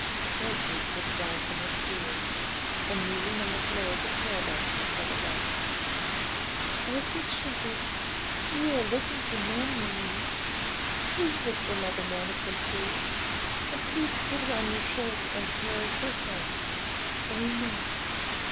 Rosalie slipped down from her stool, and, kneeling on the floor of the caravan, she said aloud 'O Good Shepherd, you are looking for mammie and me; please look for Mother Manikin too; and please put her on your shoulder and carry her home. Amen.'